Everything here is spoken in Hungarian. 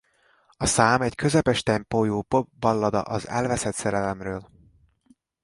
A szám egy közepes tempójú pop ballada az elveszett szerelemről.